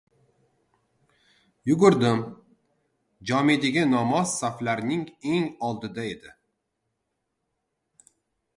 Yugurdim. Jome’dagi nomoz saflarining eng oldida edi.